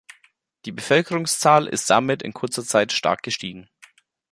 Die Bevölkerungszahl ist damit in kurzer Zeit stark gestiegen.